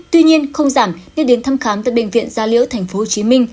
tuy nhiên không giảm nên đến thăm khám tại bệnh viện da liễu tp hcm